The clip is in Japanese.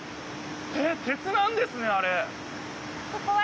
えっ鉄なんですねあれ。